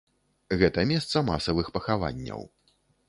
Гэта месца масавых пахаванняў.